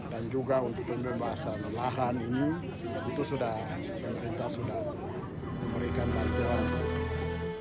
dan juga untuk pembebasan lahan ini itu sudah pemerintah sudah memberikan bantuan